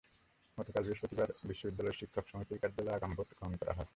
গতকাল বৃহস্পতিবার বিশ্ববিদ্যালয় শিক্ষক সমিতির কার্যালয়ে আগাম ভোট গ্রহণ করা হয়।